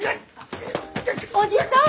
おじさん！